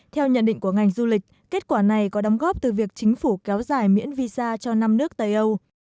theo nhận định của ngành du lịch kết quả này có đóng góp từ việc chính phủ kéo dài miễn visa cho năm nước tây âu